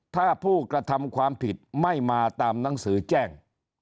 ถ้าผู้กระทำความผิดไม่มาตามหนังสือแจ้ง